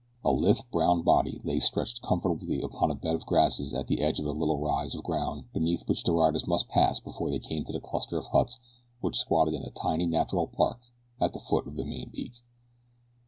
A lithe, brown body lay stretched comfortably upon a bed of grasses at the edge of a little rise of ground beneath which the riders must pass before they came to the cluster of huts which squatted in a tiny natural park at the foot of the main peak.